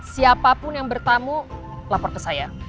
siapapun yang bertamu lapor ke saya